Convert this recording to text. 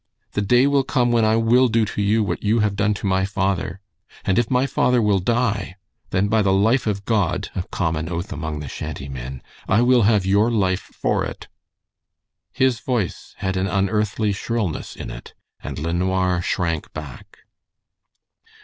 The day will come when I will do to you what you have done to my father, and if my father will die, then by the life of God [a common oath among the shanty men] I will have your life for it." His voice had an unearthly shrillness in it, and LeNoir shrank back.